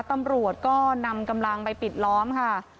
ตำรวจก็นำกำลังไปปิดล้อมค่ะ